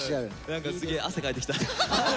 何かすげえ汗かいてきた。